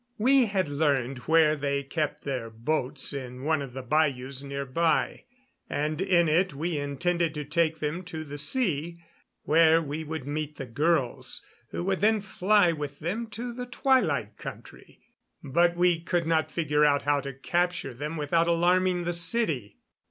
We had learned where they kept their boats in one of the bayous near by, and in it we intended to take them to the sea, where we would meet the girls, who would then fly with them to the Twilight Country. But we could not figure out how to capture them without alarming the city.